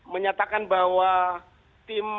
menyatakan bahwa tim